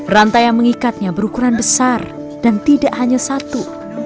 rantai yang mengikatnya berukuran besar dan tidak hanya satu